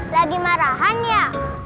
lagi marahan ya